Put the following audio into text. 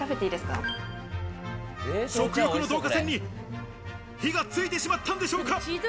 食欲の導火線に火がついてしまったんでしょうか？